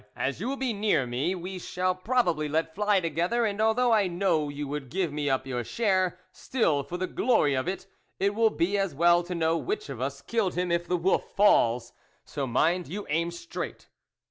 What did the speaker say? " As you will be near me, we shall probably let fly together, and, although I know you would give me up your share, still, for the glory of it, it will be as well to know which of us killed him, if the wolf falls. So, mind you aim straight."